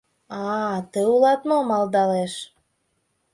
— А-а, тый улат мо, малдалеш.